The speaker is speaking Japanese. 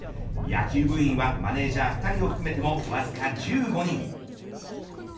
野球部員はマネジャー２人を含めても、わずか１５人。